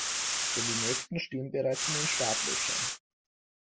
Denn die nächsten stehen bereits in den Startlöchern.